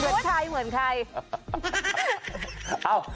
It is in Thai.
เหมือนใครเหมือนใคร